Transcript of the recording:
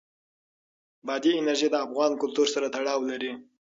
بادي انرژي د افغان کلتور سره تړاو لري.